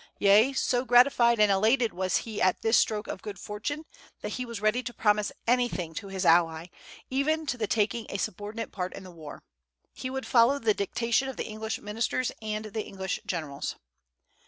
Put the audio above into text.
Yea, so gratified and elated was he at this stroke of good fortune, that he was ready to promise anything to his ally, even to the taking a subordinate part in the war. He would follow the dictation of the English ministers and the English generals.